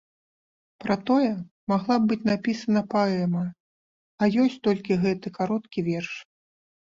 Пра тое магла б быць напісана паэма, а ёсць толькі гэты кароткі верш.